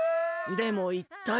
でもいったい。